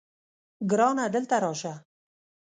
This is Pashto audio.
ګرانه دلته راشه